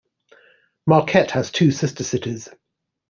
Marquette has two sister cities.